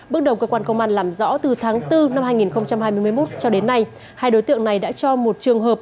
bước đầu cơ quan công an làm rõ từ tháng bốn năm hai nghìn hai mươi một cho đến nay hai đối tượng này đã cho một trường hợp